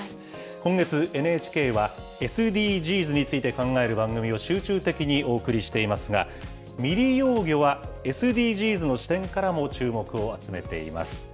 今月、ＮＨＫはＳＤＧｓについて考える番組を集中的にお送りしていますが、未利用魚はＳＤＧｓの視点からも注目を集めています。